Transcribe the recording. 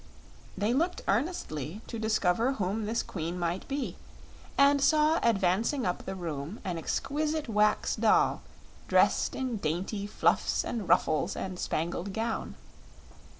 They looked earnestly to discover whom this queen might be, and saw advancing up the room an exquisite wax doll dressed in dainty fluffs and ruffles and spangled gown.